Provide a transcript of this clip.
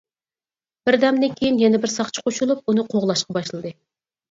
بىردەمدىن كىيىن يەنە بىر ساقچى قوشۇلۇپ ئۇنى قوغلاشقا باشلىدى.